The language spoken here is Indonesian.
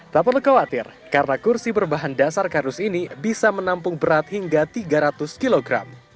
tak perlu khawatir karena kursi berbahan dasar kardus ini bisa menampung berat hingga tiga ratus kg